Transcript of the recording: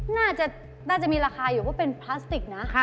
น่าจะมีราคาอยู่ว่าเป็นพลาสติกนะ